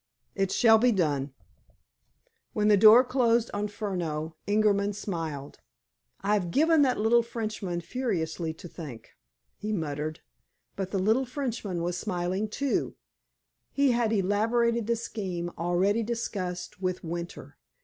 "It shall be done." When the door closed on Furneaux, Ingerman smiled. "I've given that little Frenchman furiously to think," he murmured. But the "little Frenchman" was smiling, too. He had elaborated the scheme already discussed with Winter.